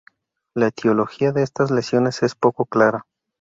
La etiología de estas lesiones es poco clara.